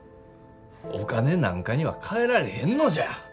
お金なんかにはかえられへんのじゃ。